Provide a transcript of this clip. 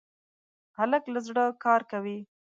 هلک له زړه کار کوي.